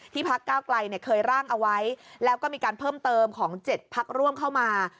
พักก้าวไกลเคยร่างเอาไว้แล้วก็มีการเพิ่มเติมของ๗พักร่วมเข้ามา